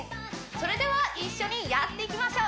それでは一緒にやっていきましょう！